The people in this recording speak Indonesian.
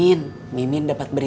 itu rumah wasain buat maeros ya bos